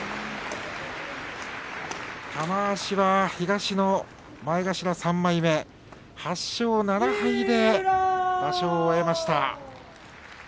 玉鷲は東の前頭３枚目８勝７敗で場所を終えました。